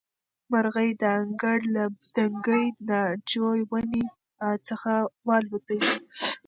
مرغۍ د انګړ له دنګې ناجو ونې څخه والوتې.